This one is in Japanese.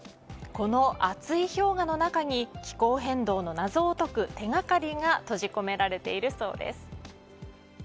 この厚い氷河の中に気候変動の謎を解く手掛かりが閉じ込められているそうです。